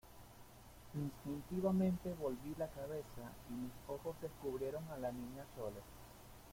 instintivamente volví la cabeza, y mis ojos descubrieron a la Niña Chole.